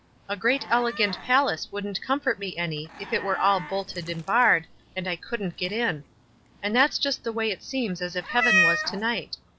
A great elegant pal ace wouldn't comfort me any if it'were all bolted and barred, and I couldn't get in ; and that's just the way it seems as if heaven was to night.